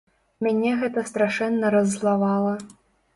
Мяне гэта страшэнна раззлавала.